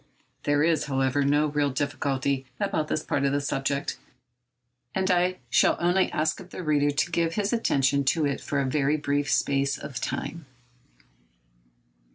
There is, however, no real difficulty about this part of the subject, and I shall only ask of the reader to give his attention to it for a very brief space of time.